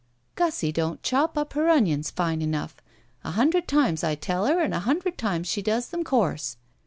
"Gussie don't chop up her onions fine enough. A htmdred times I tell her and a himdred times she does them coarse.